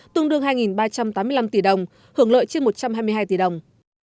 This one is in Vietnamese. tương đương hai ba trăm tám mươi năm tỷ đồng hưởng lợi trên một trăm hai mươi hai tỷ đồng